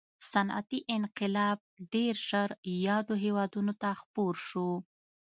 صنعتي انقلاب ډېر ژر یادو هېوادونو ته خپور شو.